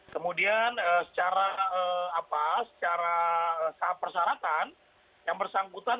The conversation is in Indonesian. kemudian secara persyaratan yang bersangkutan